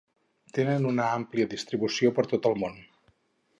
Tenen una àmplia distribució per tot el món.